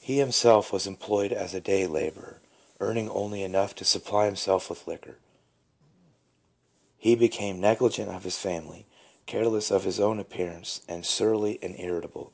He himself was employed as a day labourer, earning only enough to supply himself with liquor. He became negligent of his family, careless of his own appear ance, and surly and irritable.